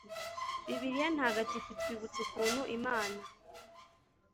-bibiliya ntagatifu itwibutsa ukuntu imana